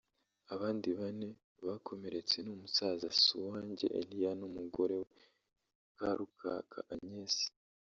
Abandi bane bakomeretse ni umusaza Suwanjye Elia n’umugore we Karukaka Agnes